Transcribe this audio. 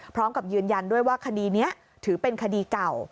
พร้อมกับยืนยันด้วยว่าคดีนี้ถือเป็นคดีเก่า